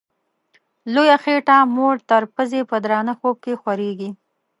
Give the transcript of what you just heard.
لویه خېټه موړ تر پزي په درانه خوب کي خوریږي